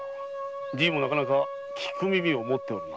じいもなかなか聴く耳を持っておるな。』）